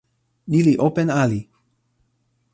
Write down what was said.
ni li open ali!